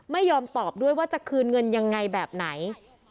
ไม่ยอมตอบด้วยว่าจะคืนเงินยังไงแบบไหน